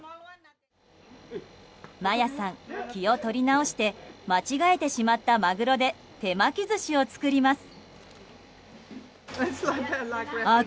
マヤさん、気を取り直して間違えてしまったマグロで手巻き寿司を作ります。